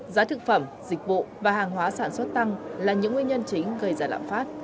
giá thực phẩm dịch vụ và hàng hóa sản xuất tăng là những nguyên nhân chính gây ra lạm phát